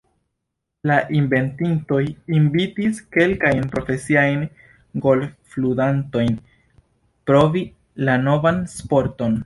La inventintoj invitis kelkajn profesiajn golfludantojn provi la novan sporton.